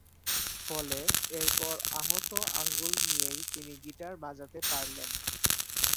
ফলে এরপর আহত আঙুল নিয়েই তিনি গীটার বাজাতে পারলেন।